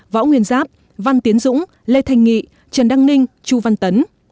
võ nguyên giáp văn tiến dũng lê thanh nghị trần đăng ninh chu văn tấn